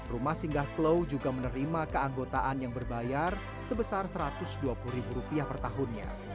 rumah singgah klau juga menerima keanggotaan yang berbayar sebesar satu ratus dua puluh ribu rupiah per tahunnya